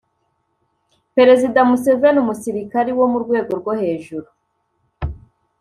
perezida museveni. umusirikari wo mu rwego rwo hejuru